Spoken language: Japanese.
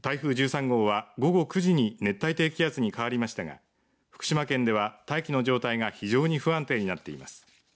台風１３号は午後９時に熱帯低気圧に変わりましたが福島県では大気の状態が非常に不安定になっています。